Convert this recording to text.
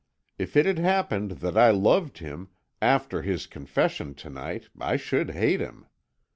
If it had happened that I loved him, after his confession to night I should hate him.